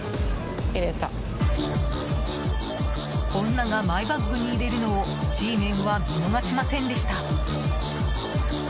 女がマイバッグに入れるのをＧメンは見逃しませんでした。